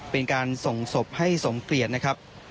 เป็นการส่งศพให้สมเกลียดนะครับ